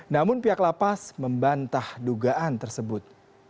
namun pihak lapas membantah dugaan tersebut